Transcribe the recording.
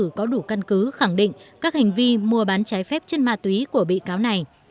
hội đồng xét xử có đủ căn cứ khẳng định các hành vi mua bán trái phép trên ma túy của bị cáo này